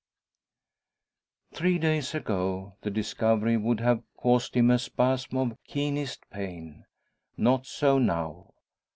Three days ago, the discovery would have caused him a spasm of keenest pain. Not so now.